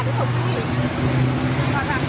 สองตัว